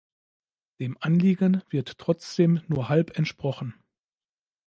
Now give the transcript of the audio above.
Dem Anliegen wird trotzdem nur halb entsprochen.